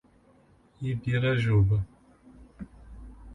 Ibirajuba